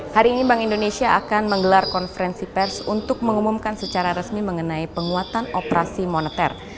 hari ini bank indonesia akan menggelar konferensi pers untuk mengumumkan secara resmi mengenai penguatan operasi moneter